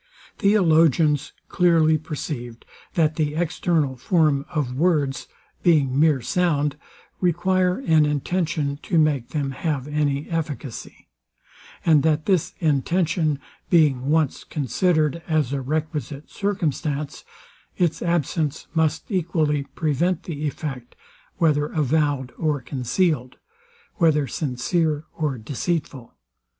Theologians clearly perceived, that the external form of words, being mere sound, require an intention to make them have any efficacy; and that this intention being once considered as a requisite circumstance, its absence must equally prevent the effect, whether avowed or concealed, whether sincere or deceitful.